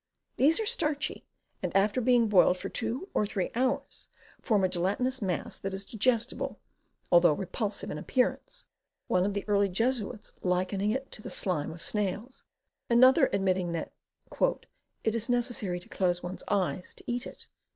These are starchy, and, after being boiled for two or three hours, form a gelatinous mass that is digestible, though repulsive in appearance, one of the early Jesuits likening it to the slime of snails, and another admitting that "it is necessary to close one's eyes to eat it."